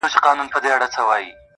o ټوله وركه يې.